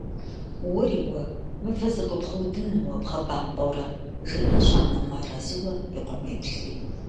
- Уэри уэ, мывэ зэгуэбгъэудыным уэ бгъэбампӏэурэ! – жиӏащ анэм мыарэзыуэ и къуэм еплъри.